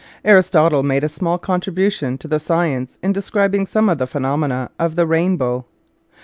Aristotle made a small contribution to the science in describing some of the phenomena of the rain bow.